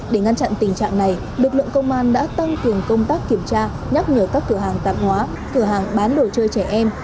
để ngăn chặn tình trạng này lực lượng công an đã tăng cường công tác kiểm tra nhắc nhở các cửa hàng tạp hóa cửa hàng bán đồ chơi trẻ em